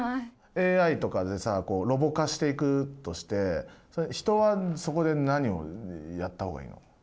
ＡＩとかでさロボ化していくとして人はそこで何をやった方がいいの？